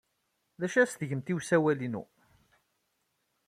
D acu ay as-tgamt i usawal-inu?